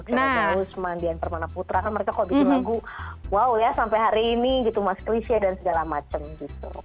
xenia zahusman dian permana putra kan mereka kok bikin lagu wow ya sampe hari ini gitu mas klicia dan segala macem gitu